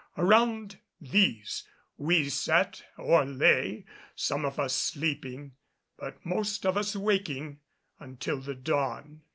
Around these we sat or lay, some of us sleeping but most of us waking until the dawn.